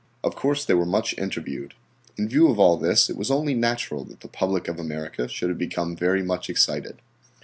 Of course they were much interviewed. In view of all this it was only natural that the public of America should have become very much excited.